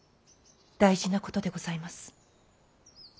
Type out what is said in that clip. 大事なことでございます。